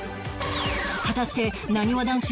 果たしてなにわ男子